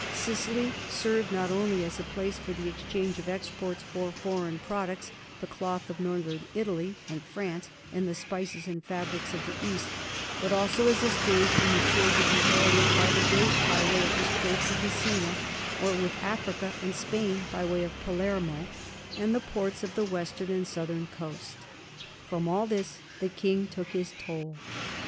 Sicily served not only as a place for the exchange of exports for foreign prod ucts, the cloth of northern Italy and France and the spices and fabrics of the East, but also as a stage in the trade with the Orient by the great highway of the Straits of Messina or with Africa and Spain by way of Palermo and the ports of the western and southern coast. From all this the king took his toll.